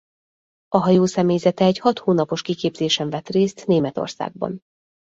A hajó személyzete egy hat hónapos kiképzésen vett részt Németországban.